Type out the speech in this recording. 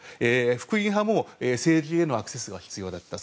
福音派も政治へのアクセスが必要だった。